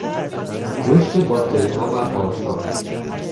رشد باکتریها و قارچها